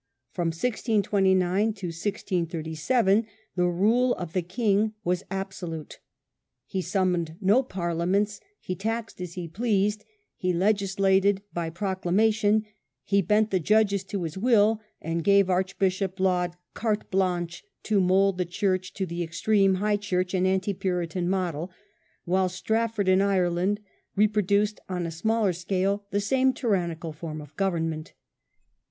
From 1629 to 1637 the rule of the king was absolute. He summoned no parliament, he taxed as he pleased, he legislated by proclamation, he bent the judges to his will, and gave Archbishop Laud carte blanche to mould the church to the extreme High Church and anti Puritan model; while Strafford in Ireland reproduced on a smaller scale the same tyrannical form of government.